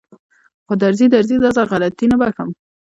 خو درځي درځي دا ځل غلطي نه بښم.